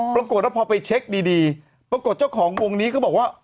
ปรากฏว่าพอไปเช็คดีปรากฏเจ้าของวงนี้เขาบอกว่า